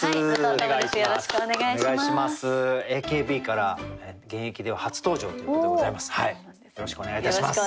ＡＫＢから現役では初登場ということでございます。